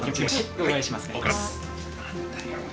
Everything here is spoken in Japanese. お伺いします。